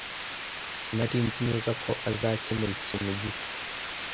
Sinari nzi neza ko azakemura ikintu gito.